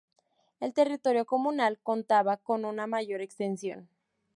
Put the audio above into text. El territorio comunal contaba con una mayor extensión.